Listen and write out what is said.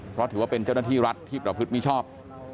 เพราะถือว่าเป็นเจ้าหน้าที่รัฐที่ประพฤติมิชอบ